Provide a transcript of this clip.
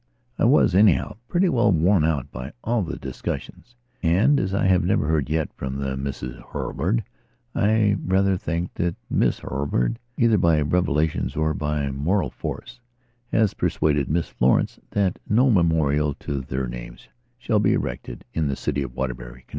I was, anyhow, pretty well worn out by all the discussions. And, as I have never heard yet from the Misses Hurlbird, I rather think that Miss Hurlbird, either by revelations or by moral force, has persuaded Miss Florence that no memorial to their names shall be erected in the city of Waterbury, Conn.